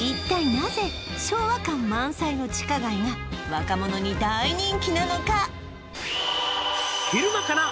なぜ昭和感満載の地下街が若者に大人気なのか